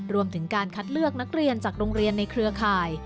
รวมถึงการคัดเลือกนักเรียนจากโรงเรียนในเครือข่าย